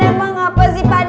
emang apa sih pak